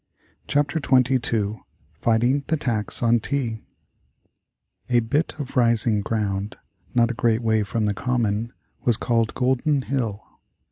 CHAPTER XXII FIGHTING the TAX on TEA A bit of rising ground, not a great way from the Common, was called Golden Hill.